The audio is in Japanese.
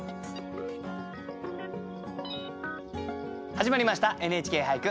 始まりました「ＮＨＫ俳句」。